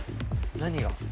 「何が？」